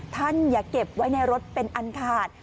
อย่าเก็บไว้ในรถเป็นอันขาด